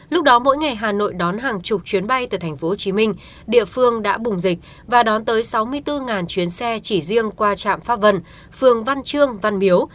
lúc đó mỗi ngày hà nội đón hàng chục chuyến bay từ tp hcm địa phương đã bùng dịch và đón tới sáu mươi bốn chuyến xe chỉ riêng qua trạm pháp vân phường văn trương văn miếu